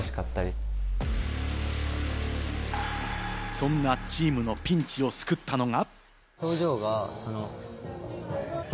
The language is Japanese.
そんなチームのピンチを救ったのが。